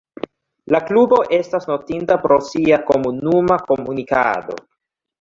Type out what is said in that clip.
La klubo estas notinda pro sia komunuma komunikado.